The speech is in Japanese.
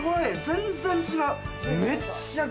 全然違う！